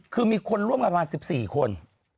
คือมีคนร่วมกันประมาณ๑๔คน